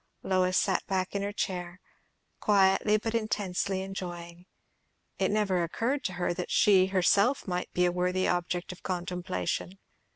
Lois sat back in her chair, quietly but intensely enjoying. It never occurred to her that she herself might be a worthy object of contemplation.